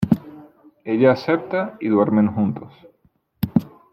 Ella acepta y duermen juntos.